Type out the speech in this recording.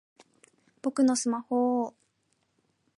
僕のスマホぉぉぉ！